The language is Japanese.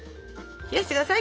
冷やして下さい。